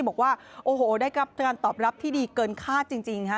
บอกว่าโอ้โหได้รับการตอบรับที่ดีเกินคาดจริงฮะ